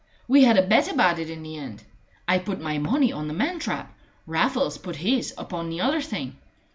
We had a bet about it in the end. I put my money on the man trap. Raffles put his upon the other thing.